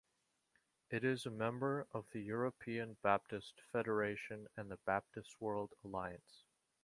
It is a member of the European Baptist Federation and the Baptist World Alliance.